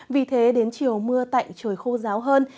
vì thế đến chiều mưa tạnh trời khô ráo hơn